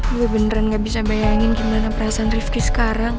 gua beneren gak bisa bayangin prasan rifki sekarang